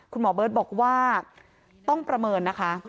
คุณหมอเบิร์ตบอกว่าต้องประเมินนะคะ